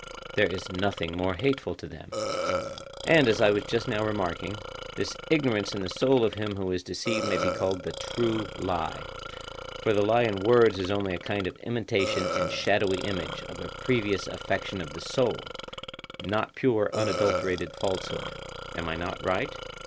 There is nothing more hateful to them. And, as I was just now remarking, this ignorance in the soul of him who is deceived may be called the true lie; for the lie in words is only a kind of imitation and shadowy image of a previous affection of the soul, not pure unadulterated falsehood. Am I not right?